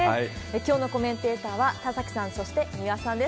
きょうのコメンテーターは、田崎さん、そして三輪さんです。